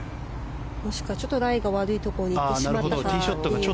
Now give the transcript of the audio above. もしくはちょっとライが悪いところに行ってしまったか。